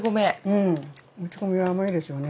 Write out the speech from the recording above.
うんもち米は甘いですよね。